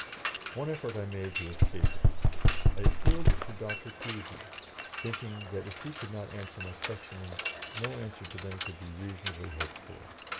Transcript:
One effort I made to escape it; I appealed to Dr. Pusey, thinking that if he could not answer my questionings, no answer to them could be reasonably hoped for.